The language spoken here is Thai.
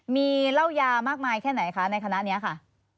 มีเหล้ายามากมายแค่ไหนคะในคณะนี้ค่ะ